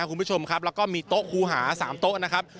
คุณผู้ชมครับแล้วก็มีโต๊ะครูหา๓โต๊ะนะครับ